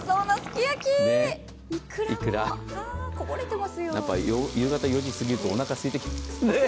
やっぱ夕方４時すぎるとおなかがすいてきますね。